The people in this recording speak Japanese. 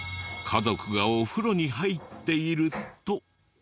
家族がお風呂に入っていると。